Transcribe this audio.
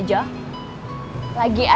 gak ada kerja